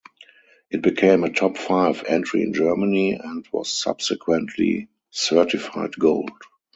It became a top five entry in Germany, and was subsequently certified Gold.